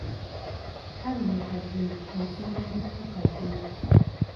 Allen Kagina mufumbo eri Paul Kagina